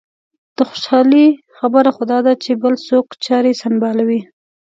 د خوشالۍ خبره خو دا ده چې بل څوک چارې سنبالوي.